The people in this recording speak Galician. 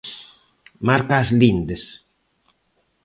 Marca as lindes.